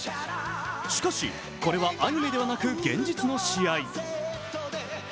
しかし、これはアニメではなく現実の試合。